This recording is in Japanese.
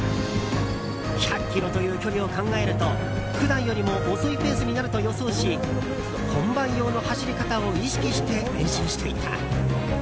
１００ｋｍという距離を考えると普段よりも遅いペースになると予想し本番用の走り方を意識して練習していた。